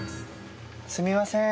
すみません。